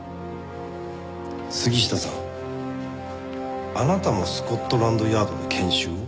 杉下さんあなたもスコットランドヤードで研修を？